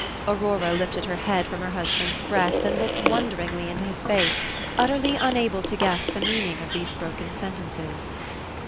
Aurora lifted her head from her husband's breast, and looked wonderingly into his face, utterly unable to guess the meaning of these broken sentences.